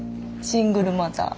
シングルマザー。